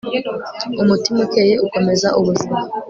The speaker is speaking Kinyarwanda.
umutima ukeye ukomeza ubuzima